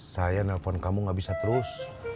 sayang telepon kamu nggak bisa terus